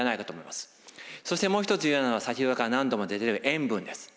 そしてもう一つ重要なのは先ほどから何度も出てる塩分です。